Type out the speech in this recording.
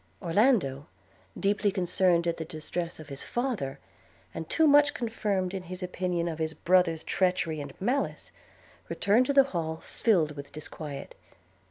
Orlando, deeply concerned at the distress of his father, and too much confirmed in his opinion of his brother's treachery and malice, returned to the Hall filled with disquiet.